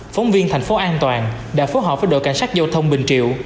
phóng viên thành phố an toàn đã phối hợp với đội cảnh sát giao thông bình triệu